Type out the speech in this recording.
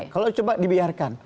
kalau coba dibiarkan